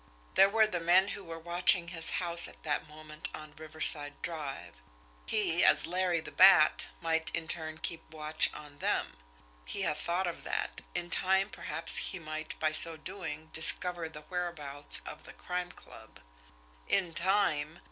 There were the men who were watching his house at that moment on Riverside Drive he, as Larry the Bat, might in turn keep watch on them. He had though of that. In time, perhaps, he might, by so doing, discover the whereabouts of the Crime Club. In time!